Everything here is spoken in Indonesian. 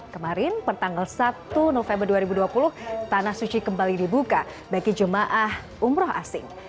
kemarin pertanggal satu november dua ribu dua puluh tanah suci kembali dibuka bagi jemaah umroh asing